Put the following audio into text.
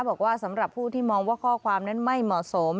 บอกว่าสำหรับผู้ที่มองว่าข้อความนั้นไม่เหมาะสม